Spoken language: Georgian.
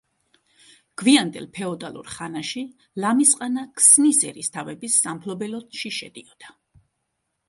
გვიანდელ ფეოდალურ ხანაში ლამისყანა ქსნის ერისთავების სამფლობელოში შედიოდა.